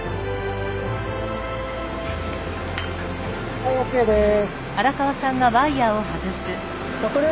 はいＯＫです。